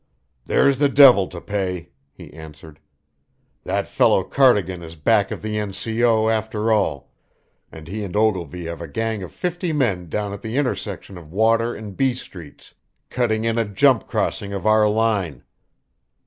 "There's the devil to pay," he answered. "That fellow Cardigan is back of the N.C.O., after all, and he and Ogilvy have a gang of fifty men down at the intersection of Water and B streets, cutting in a jump crossing of our line."